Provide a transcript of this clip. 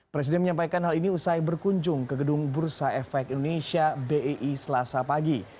presiden menyampaikan hal ini usai berkunjung ke gedung bursa efek indonesia bei selasa pagi